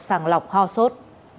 sàng lọc ho sốt